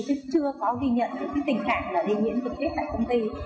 chứ chưa có ghi nhận tình cảm là lây nhiễm thực tế tại công ty